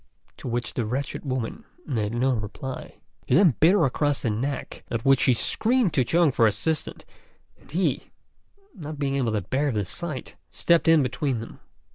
to which the wretched woman made no reply. He then bit her across the neck, at which she screamed to Chung for assistance, and he, not being able to bear the sight, stepped in between them.